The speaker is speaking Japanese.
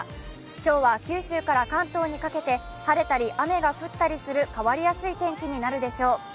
今日は九州から関東にかけて晴れたり雨が降ったりする変わりやすい天気になるでしょう。